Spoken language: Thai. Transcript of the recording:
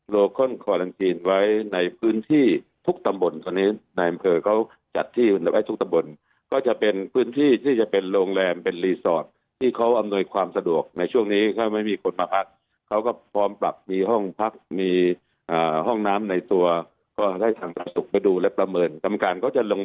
โรคค้นที่ต้องกัดกันการเนี่ยเราเรากำลังเตรียมสำรอง